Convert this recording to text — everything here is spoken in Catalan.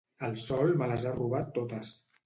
El sol me les ha robat totes.